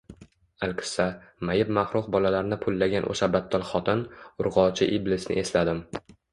Alqissa, mayib-mahruh bolalarini pullagan o`sha battol xotin, urg`ochi iblisni esladim